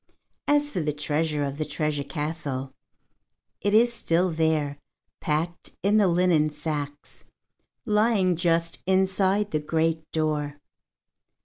As for the treasure of the treasure castle, it is still there, packed in the linen sacks, lying just inside the great door.